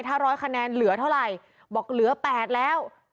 ถ้าร้อยคะแนนเหลือเท่าไหร่บอกเหลือ๘แล้ว